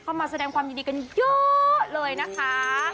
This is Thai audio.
มาแสดงความยินดีกันเยอะเลยนะคะ